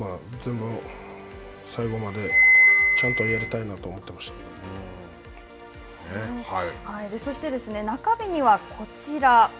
全部最後までちゃんとやりたいなそしてですね中日にはこちら。